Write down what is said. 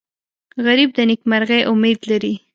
غریب د نیکمرغۍ امید لري